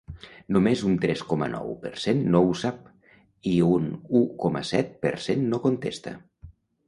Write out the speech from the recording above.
Només un tres coma nou per cent no ho sap, i un u coma set per cent no contesta.